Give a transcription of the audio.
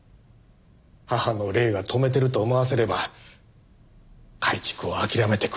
母の霊が止めてると思わせれば改築を諦めてくれるかと。